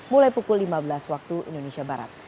mulai pukul lima belas waktu indonesia barat